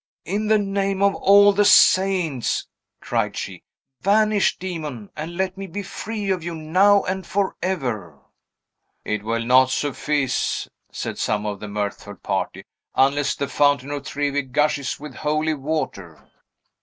"In the name of all the Saints," cried she, "vanish, Demon, and let me be free of you now and forever!" "It will not suffice," said some of the mirthful party, "unless the Fountain of Trevi gushes with holy water."